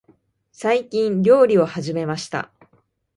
最近、料理を始めました。